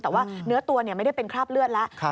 แต่ว่าเนื้อตัวไม่ได้เป็นคราบเลือดแล้ว